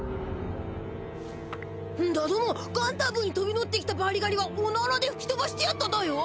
だどもガンダブーにとび乗ってきたバリガリはおならでふきとばしてやっただよ。